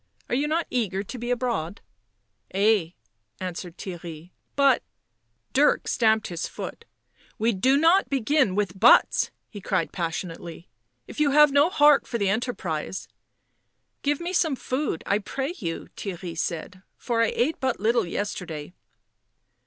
" Are you not eager to be abroad?" " Yea," answered Theirry. " But——" Dirk stamped his foot. " We do not begin with ' buts ?!" he cried passionately. " If you have no heart for the enterprise "" Give me some food, I pray you," Theirry said. "For I ate but little yesterday."